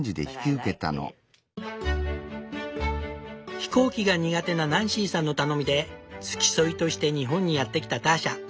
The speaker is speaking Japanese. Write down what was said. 飛行機が苦手なナンシーさんの頼みで付き添いとして日本にやって来たターシャ。